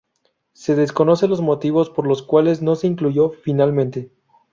Se desconocen los motivos por los cuales no se incluyó finalmente.